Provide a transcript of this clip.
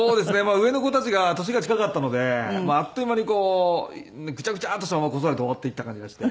上の子たちが年が近かったのであっという間にグチャグチャッとしたまま子育て終わっていった感じがして。